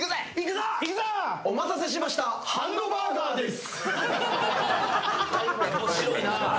お待たせしました、ハンドバーガーです。